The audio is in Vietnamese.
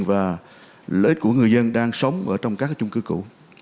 và lợi ích của người dân đang sống ở trong các chung cư cũ